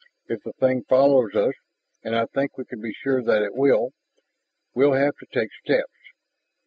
If the thing follows us, and I think we can be sure that it will, we'll have to take steps.